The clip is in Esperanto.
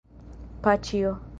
Paĉjo!